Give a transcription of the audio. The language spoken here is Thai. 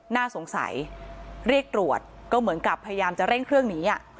น่าสงสัยเรียกตรวจก็เหมือนกับพยายามจะเร่งเครื่องหนี